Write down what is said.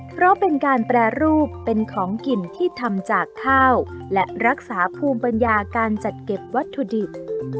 เพราะเป็นการแปรรูปเป็นของกินที่ทำจากข้าวและรักษาภูมิปัญญาการจัดเก็บวัตถุดิบ